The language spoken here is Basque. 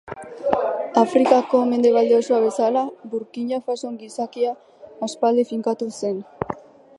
Afrikako mendebalde osoa bezala, Burkina Fason gizakia aspaldi finkatu zen.